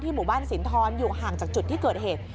หมู่บ้านสินทรอยู่ห่างจากจุดที่เกิดเหตุ